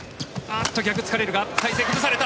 逆、疲れるが体勢崩された。